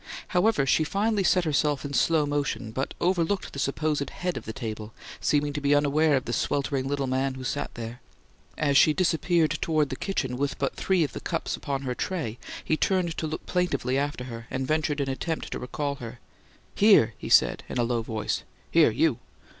However, she finally set herself in slow motion; but overlooked the supposed head of the table, seeming to be unaware of the sweltering little man who sat there. As she disappeared toward the kitchen with but three of the cups upon her tray he turned to look plaintively after her, and ventured an attempt to recall her. "Here!" he said, in a low voice. "Here, you!"